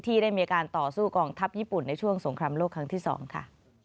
ที่ได้มีการต่อสู้กองทัพญี่ปุ่นในช่วงสงครามโลกครั้งที่๒ค่ะ